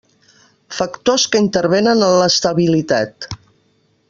Factors que intervenen en l'estabilitat.